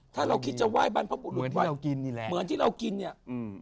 ถ้าเราคิดจะไหว้บรรพบุรุษเหมือนที่เรากินเนี่ย